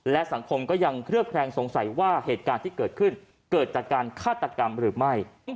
และสังคมก็ยังเคลือบแคลงสงสัยว่าเหตุการณ์ที่เกิดขึ้นเกิดจากการฆาตกรรมหรือไม่